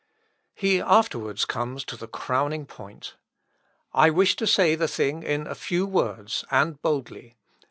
He afterwards comes to the crowning point. "I wish to say the thing in a few words and boldly.